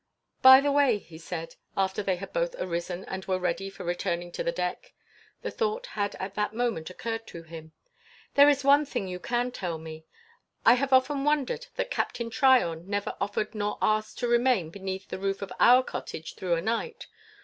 "By the way," he said, after they had both arisen and were ready for returning to the deck the thought had at that moment occurred to him "there is one thing you can tell me. I have often wondered that Captain Tryon never offered nor asked to remain beneath the roof of our cottage through a night.